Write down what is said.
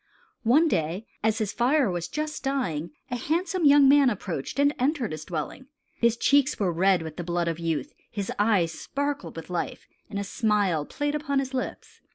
One day as his fire was just dying, a handsome young man approached and entered his dwelling. His cheeks were red with the blood of youth; his eyes sparkled with life; and a smile played upon his lips.